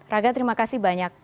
raga terima kasih banyak